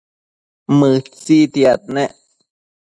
Mëtsitiad nec